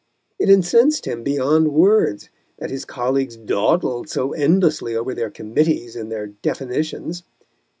It incensed him beyond words that his colleagues dawdled so endlessly over their committees and their definitions.